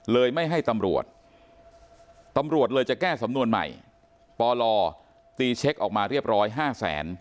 ไม่ให้ตำรวจตำรวจเลยจะแก้สำนวนใหม่ปลตีเช็คออกมาเรียบร้อยห้าแสน